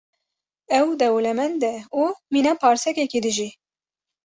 Ew dewlemend e û mîna parsekekî dijî.